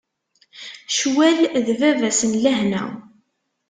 Ccwal d baba-s n lehna.